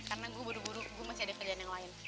karena gue buru buru gue masih ada kerjaan yang lain